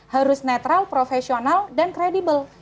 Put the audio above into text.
harus netral profesional dan kredibel